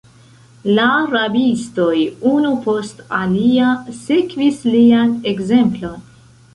La rabistoj, unu post alia, sekvis lian ekzemplon.